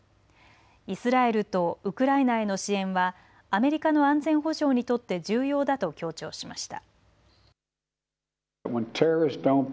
イスラエルとウクライナへの支援はアメリカの安全保障にとって重要だと強調しました。